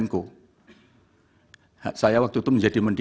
yang terakhir anda membuatah kita ubah rack of business